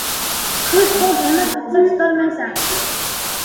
• So‘z qum emas, uchsa, tutolmaysan.